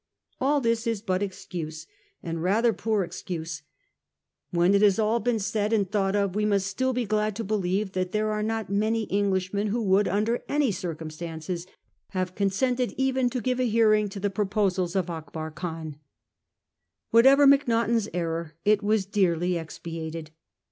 All this is but excuse, and rather poor 244 A HISTORY OF OUR OWN TIMES. cn. xi. excuse. When it has all been said and thought of, we must still he glad to believe that there are not many Englishmen who would, under any circum stances, have consented even to give a hearing to the proposals of Akbar Khan. Whatever Macnaghten's error, it was dearly expi ated.